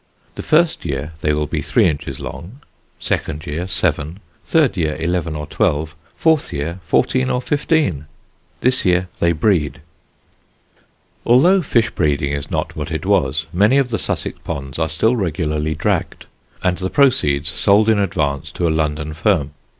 The first year they will be three inches long; second year, seven; third year, eleven or twelve; fourth year, fourteen or fifteen. This year they breed." [Sidenote: THOMAS MARCHANT'S HEADACHES] Although fish breeding is not what it was, many of the Sussex ponds are still regularly dragged, and the proceeds sold in advance to a London firm.